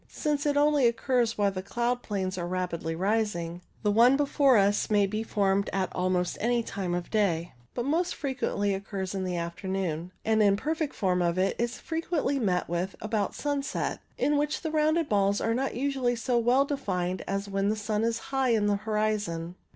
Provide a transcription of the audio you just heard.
since it only occurs while the cloud 68 ALTO CLOUDS planes are rapidly rising, the one before us may be formed at almost any time of day, but most frequently occurs in the afternoon. An imperfect form of it is frequently met with about sunset, in which the rounded balls are not usually so well defined as when the sun is high above the horizon.